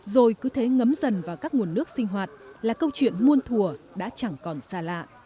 rồi cứ thế ngấm dần vào các nguồn nước sinh hoạt là câu chuyện muôn thùa đã chẳng còn xa lạ